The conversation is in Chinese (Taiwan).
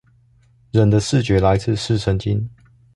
人的視覺來自視神經